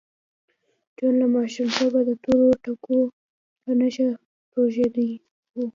جون له ماشومتوبه د تورو ټکو په نشه روږدی و